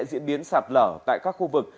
diễn biến sạt lở tại các khu vực